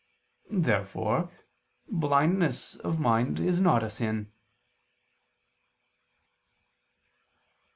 Therefore blindness of mind is not a sin.